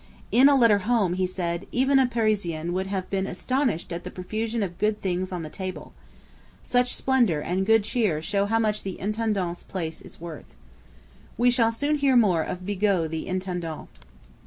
In a letter home he said: 'Even a Parisian would have been astonished at the profusion of good things on the table. Such splendour and good cheer show how much the intendant's place is worth.' We shall soon hear more of Bigot the intendant.